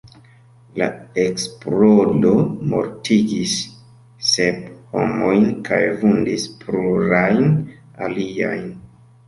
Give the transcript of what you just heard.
La eksplodo mortigis sep homojn kaj vundis plurajn aliajn.